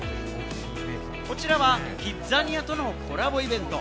こちらはキッザニアとのコラボイベント。